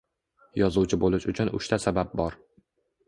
Yozuvchi boʻlish uchun uchta sabab bor